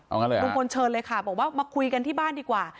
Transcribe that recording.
เอางั้นเลยลุงพลเชิญเลยค่ะบอกว่ามาคุยกันที่บ้านดีกว่า